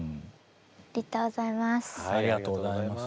ありがとうございます。